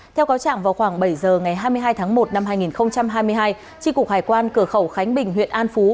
theo cáo trạng vào khoảng bảy giờ ngày hai mươi hai tháng một năm hai nghìn hai mươi hai tri cục hải quan cửa khẩu khánh bình huyện an phú